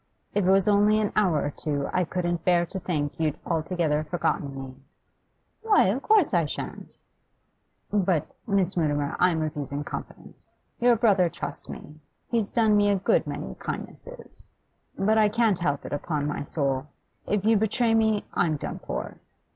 'If it was only an hour or two I couldn't bear to think you'd altogether forgotten me.' 'Why, of course I shan't!' 'But Miss Mutimer, I'm abusing confidence. Your brother trusts me; he's done me a good many kindnesses. But I can't help it, upon my soul. If you betray me, I'm done for.